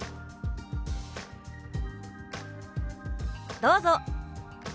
どうぞ！